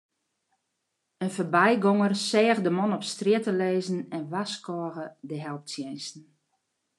In foarbygonger seach de man op strjitte lizzen en warskôge de helptsjinsten.